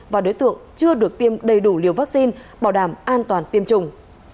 và đối tượng chưa được tiêm đầy đủ liều vaccine bảo đảm an toàn tiêm chủng